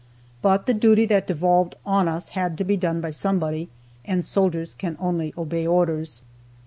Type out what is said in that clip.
But the duty that devolved on us had to be done by somebody, and soldiers can only obey orders.